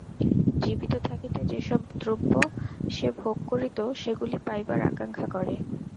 জীবিত থাকিতে যে-সব দ্রব্য সে ভোগ করিত, সেগুলি পাইবার আকাঙ্ক্ষা করে।